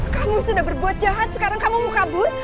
kamu sudah berbuat jahat sekarang kamu mau kabur